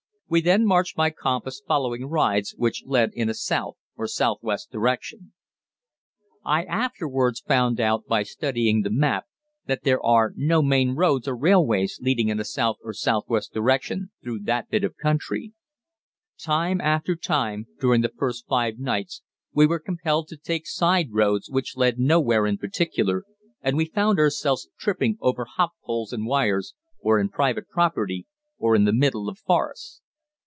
We then marched by compass, following rides which led in a south or southwest direction. [Illustration: SKETCH MAP SHOWING ROUTE OF ESCAPE FROM GERMANY] I afterwards found out by studying the map that there are no main roads or railways leading in a south or southwest direction through that bit of country. Time after time during the first five nights we were compelled to take side roads which led nowhere in particular, and we found ourselves tripping over hop poles and wires, or in private property, or in the middle of forests.